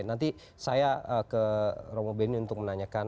nanti saya ke romo beni untuk menanyakan